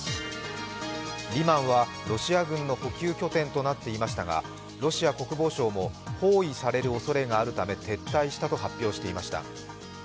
リマンはロシア軍の補給拠点となっていましたがロシア国防省も、包囲されるおそれがあるため撤退したと発表していました。